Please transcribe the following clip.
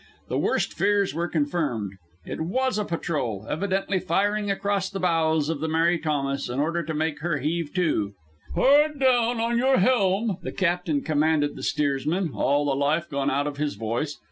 The worst fears were confirmed. It was a patrol, evidently firing across the bows of the Mary Thomas in order to make her heave to. "Hard down with your helm!" the captain commanded the steers man, all the life gone out of his voice.